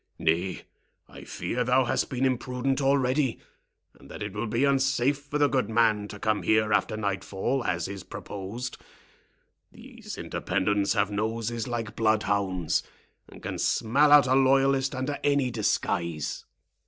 "Nay, I fear thou hast been imprudent already, and that it will be unsafe for the good man to come here after nightfall, as is proposed. These Independents have noses like bloodhounds, and can smell out a loyalist under any disguise."